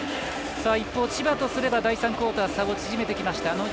一方、千葉とすれば第３クオーター差を縮めてきました。